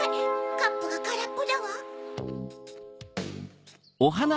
カップがからっぽだわ。